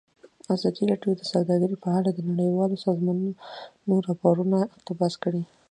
ازادي راډیو د سوداګري په اړه د نړیوالو سازمانونو راپورونه اقتباس کړي.